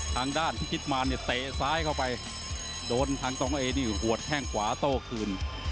ทางด้านพิจิตมารเนี่ยเตะซ้ายเข้าไปโดนทางกองเอนี่หัวแข้งขวาโต้คืน